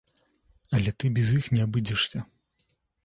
Але ты без іх не абыдзешся.